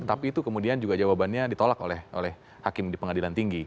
tapi itu kemudian juga jawabannya ditolak oleh hakim di pengadilan tinggi